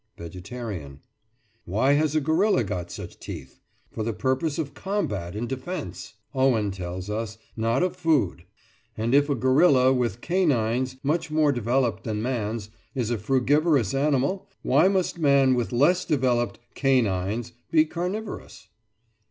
VEGETARIAN: Why has a gorilla got such teeth? "For the purpose of combat and defence," Owen tells us, not of food. And if a gorilla, with "canines" much more developed than man's, is a frugivorous animal, why must man with less developed "canines" be carnivorous?